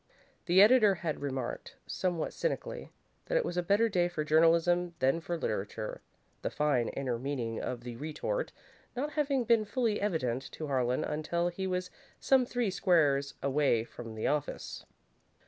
The editor had remarked, somewhat cynically, that it was a better day for journalism than for literature, the fine, inner meaning of the retort not having been fully evident to Harlan until he was some three squares away from the office.